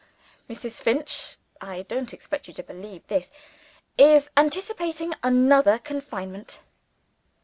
Mrs. Finch I don't expect you to believe this is anticipating another confinement.